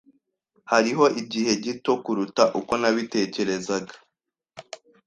Hariho igihe gito kuruta uko nabitekerezaga.